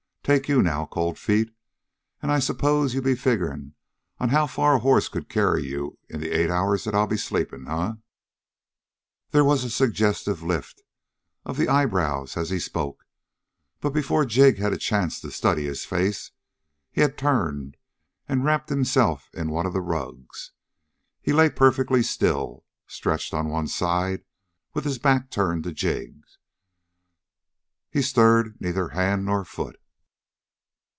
Take you, now, Cold Feet, and I s'pose you'll be figuring on how far a hoss could carry you in the eight hours that I'll be sleeping. Eh?" There was a suggestive lift of the eyebrows, as he spoke, but before Jig had a chance to study his face, he had turned and wrapped himself in one of the rugs. He lay perfectly still, stretched on one side, with his back turned to Jig. He stirred neither hand nor foot.